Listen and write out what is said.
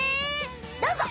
どうぞ！